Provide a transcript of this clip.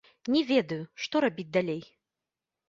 Не ведаю, што рабіць далей.